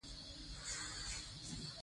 پسه د افغانستان د شنو سیمو ښکلا ده.